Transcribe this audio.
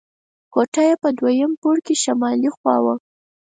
کوټه یې په دویم پوړ کې شمالي خوا وه.